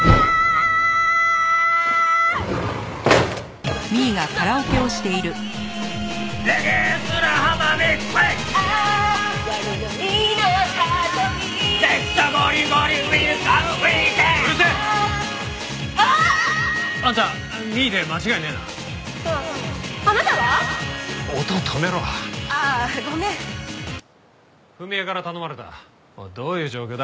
おいどういう状況だ？